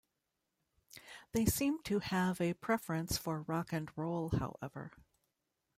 They seem to have a preference for rock and roll, however.